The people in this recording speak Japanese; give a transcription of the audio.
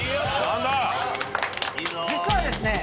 実はですね